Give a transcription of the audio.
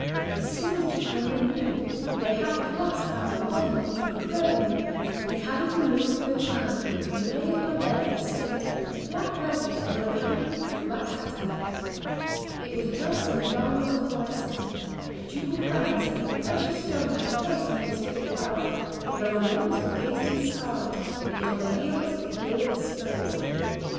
As soon as Duke Rend knew that they had at last found the body of the Duke of Burgundy, he had it removed to the town, and laid on a bed of state of black velvet, under a canopy of black satin. It was dressed in a garment of white satin; a ducal crown, set with precious stones, was placed on the disfigured brow; the lower limbs were cased in scarlet, and on the heels were gilded spurs.